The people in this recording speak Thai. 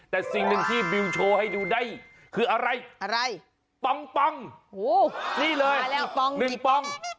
แต่สิ่งนึงที่บิ๊วโชว์ให้ดูได้คืออะไรอะไรปำงปำงโว้ยสิละมาแล้วปำงอีกนึงปำง